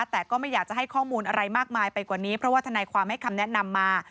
แต่ก็ไม่อยากจะให้ข้อมูลอะไรมากมายไปกว่านี้เพราะว่าทนายความให้คำแนะนำมา